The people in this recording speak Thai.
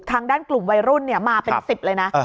ทางด้านกลุ่มวัยรุ่นมาเป็น๑๐เลยนะ